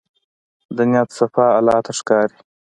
د نیت صفا الله ته ښکاري.